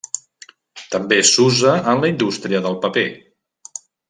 També s'usa en la indústria del paper.